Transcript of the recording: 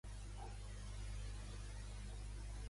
Ara viu amb el seu fill Edoardo.